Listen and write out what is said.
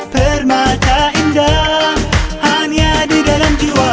permata indah hanya di dalam jiwa